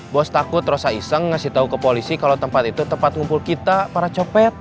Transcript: bos takut rosa iseng ngasih tahu ke polisi kalau tempat itu tempat ngumpul kita para copet